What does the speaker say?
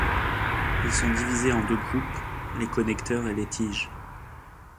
Ils sont divisés en deux groupes, les connecteurs et les tiges.